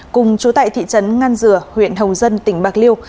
cùng chú tại thị trấn ngăn dừa huyện hồng dân tỉnh bạc liêu